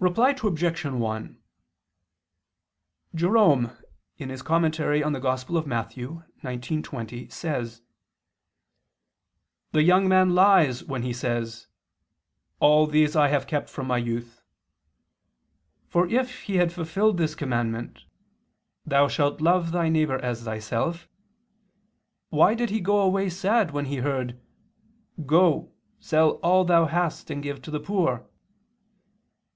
Reply Obj. 1: Jerome (Super Matth. xix, 20) says: "The young man lies when he says: 'All these have I kept from my youth.' For if he had fulfilled this commandment, 'Thou shalt love thy neighbor as thyself,' why did he go away sad when he heard: Go, sell all thou hast and give to the poor?"